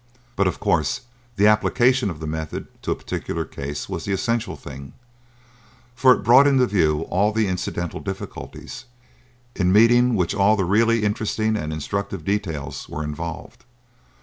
But, of course, the application of the method to a particular case was the essential thing, for it brought into view all the incidental difficulties, in meeting which all the really interesting and instructive details were involved.